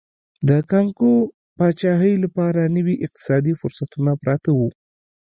د کانګو پاچاهۍ لپاره نوي اقتصادي فرصتونه پراته وو.